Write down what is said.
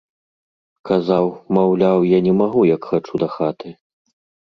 Казаў, маўляў, я не магу, як хачу дахаты.